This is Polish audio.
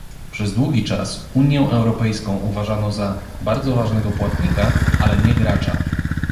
Przez długi czas Unię Europejską uważano za "bardzo ważnego płatnika, ale nie gracza"